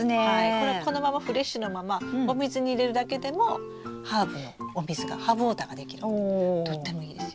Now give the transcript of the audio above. これこのままフレッシュなままお水に入れるだけでもハーブのお水がハーブウォーターができるのでとってもいいですよ。